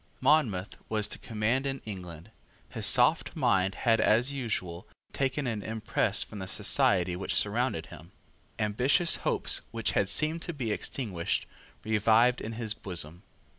Monmouth was to command in England. His soft mind had as usual, taken an impress from the society which surrounded him. Ambitious hopes, which had seemed to be extinguished, revived in his bosom.